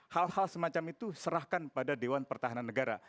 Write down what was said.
hal hal semacam itu serahkan pada dewan pertahanan negara